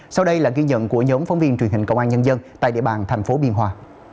sau đây là ghi nhận của nhóm phóng viên truyền hình công an nhân dân tại địa bàn thành phố biên hòa